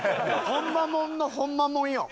ホンマもんのホンマもんよ。